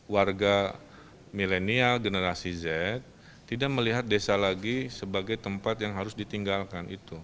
warga milenial generasi z tidak melihat desa lagi sebagai tempat yang harus ditinggalkan itu